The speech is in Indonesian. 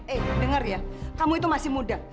eh dengar ya kamu itu masih muda